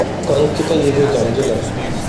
Kɔn ki ta yege jàm di lām.